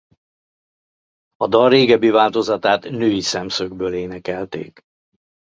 A dal régebbi változatát női szemszögből énekelték.